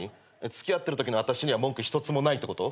付き合ってるときの私には文句一つもないってこと？